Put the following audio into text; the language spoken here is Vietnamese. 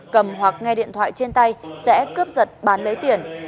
cầm hoặc nghe điện thoại trên tay sẽ cướp giật bán lấy tiền